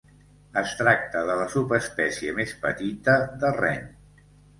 Es tracta de la subespècie més petita de ren.